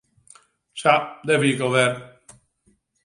Sa, dêr wie ik al wer.